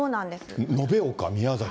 延岡、宮崎。